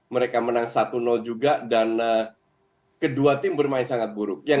mereka menang satu juga dan kedua tim bermain sangat buruk